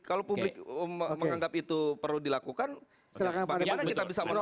kalau publik menganggap itu perlu dilakukan bagaimana kita bisa menolak